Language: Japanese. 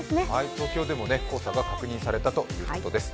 東京でも黄砂が確認されたということです。